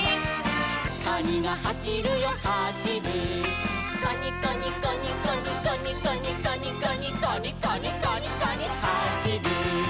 「カニがはしるよはしる」「カニカニカニカニカニカニカニカニ」「カニカニカニカニはしる」